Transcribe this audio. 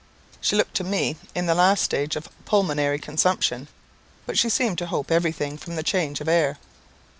She looked to me in the last stage of pulmonary consumption; but she seemed to hope everything from the change of air.